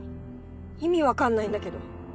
意味わかんないんだけど。